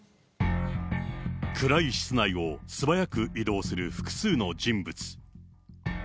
暗い室内をすばやく移動する複数の人物。